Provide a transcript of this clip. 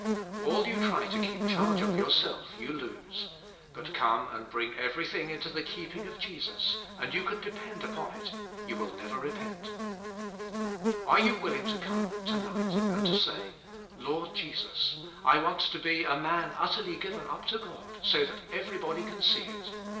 All you try to keep charge of yourself you lose, but come and bring everything into the keeping of Jesus, and you can depend upon it you will never repent. Are you willing to come, to night, and to say, *'L<ord Jesus, 222 THE SPIRITUAL LIFE. I want to be a man utterly g iven up to God, so that everybody can see it.